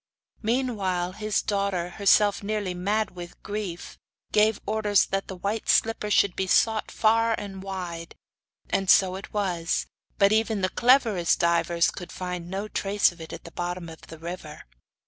Meanwhile, his daughter, herself nearly mad with grief, gave orders that the white slipper should be sought for far and wide; and so it was, but even the cleverest divers could find no trace of it at the bottom of the river.